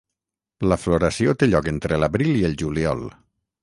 La floració té lloc entre l'abril i el juliol.